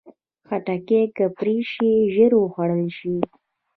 خټکی که پرې شي، ژر خوړل شي.